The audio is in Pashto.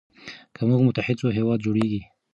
که موږ متحد سو هېواد جوړیږي.